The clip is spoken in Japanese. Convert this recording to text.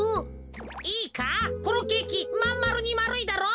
いいかこのケーキまんまるにまるいだろう。